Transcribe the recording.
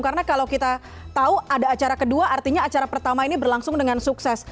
karena kalau kita tahu ada acara kedua artinya acara pertama ini berlangsung dengan sukses